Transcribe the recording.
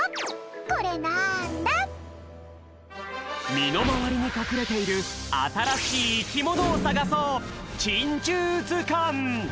みのまわりにかくれているあたらしいいきものをさがそう！